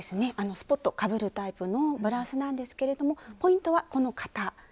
スポッとかぶるタイプのブラウスなんですけれどもポイントはこの肩。